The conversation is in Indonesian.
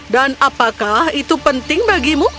dan apakah itu penting bagimu